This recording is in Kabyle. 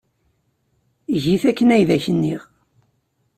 Eg-it akken ay ak-nniɣ.